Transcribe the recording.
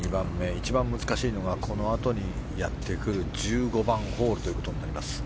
一番難しいのがこのあとにやってくる１５番ホールになります。